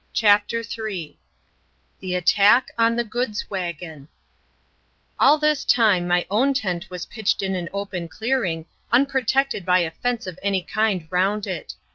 CHAPTER III THE ATTACK ON THE GOODS WAGON All this time my own tent was pitched in an open clearing, unprotected by a fence of any kind round it.